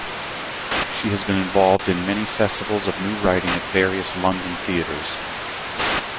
She has been involved in many festivals of new writing at various London theatres.